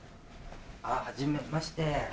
はじめまして。